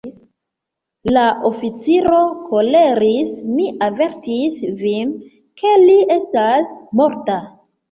La oficiro koleris: “Mi avertis vin, ke li estas morta!